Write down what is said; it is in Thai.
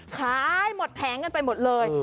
คล้ายมดแทนไปหมดเลย